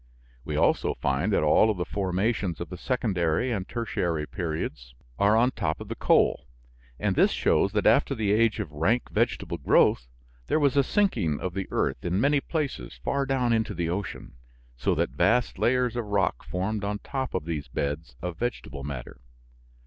We also find that all of the formations of the Secondary and Tertiary periods are on top of the coal and this shows that after the age of rank vegetable growth there was a sinking of the earth in many places far down into the ocean so that vast layers of rock formed on top of these beds of vegetable matter.